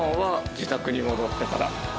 自宅に戻ってから？